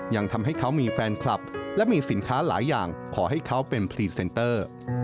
ยังทำให้เขามีแฟนคลับและมีสินค้าหลายอย่างขอให้เขาเป็นพรีเซนเตอร์